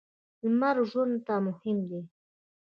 لمر ژوند ته مهم دی.